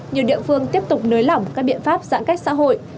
nhiều địa phương tiếp tục nới lỏng các biện pháp giãn cách xã hội